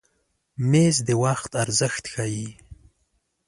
مېز د وخت ارزښت ښیي.